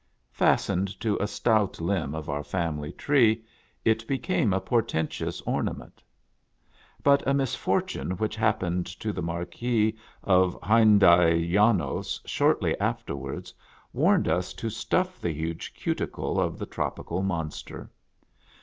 Fastened to a stout limb of our family tree, it became a portentous ornament. But a misfortune which happened to the Marquis of Hunyadi Janos shortly afterwards warned us to stuff the huge cuticle of the tropical monster.